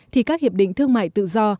thì các hiệp định thương mại tự do